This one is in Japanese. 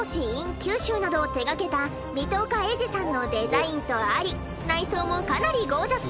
九州などを手がけた水戸岡鋭治さんのデザインとあり内装もかなりゴージャス。